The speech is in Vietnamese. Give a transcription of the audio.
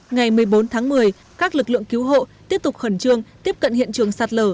ngày một mươi bốn tháng một mươi các lực lượng cứu hộ tiếp tục khẩn trương tiếp cận hiện trường sạt lở